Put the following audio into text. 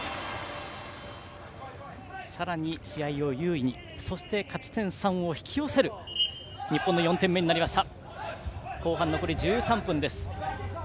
さらに試合を優位にそして勝ち点３を引き寄せる日本の４点目になりました。